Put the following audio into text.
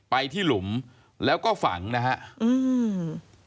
ไปที่หลุมแล้วก็ฝังนะครับ